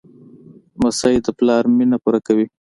لمسی د پلار مینه پوره کوي.